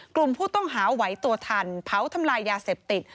กลุ่มผู้ต้องหาไหวตัวทันเผาทำลายยาเสพติด